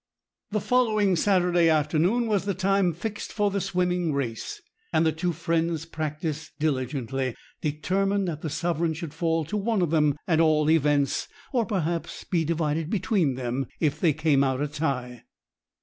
The following Saturday afternoon was the time fixed for the swimming race, and the two friends practised diligently, determined that the sovereign should fall to one of them at all events, or perhaps be divided between them if they came out a tie.